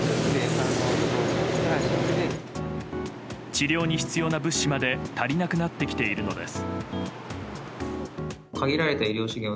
治療に必要な物資まで足りなくなってきているのです。